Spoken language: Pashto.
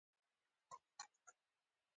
ایا زه باید واده ته لاړ شم؟